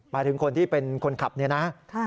มาถึงคนที่เป็นคนขับนะครับ